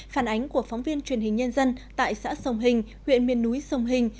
phản ánh của phóng viên truyền hình nhân dân tại xã sông hình huyện miền núi sông hình